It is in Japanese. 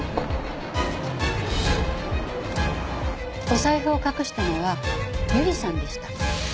お財布を隠したのは友梨さんでした。